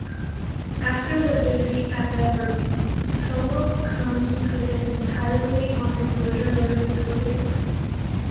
After the defeat at Beverley, Trollope concentrated entirely on his literary career.